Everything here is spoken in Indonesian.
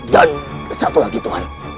dan satu lagi tuhan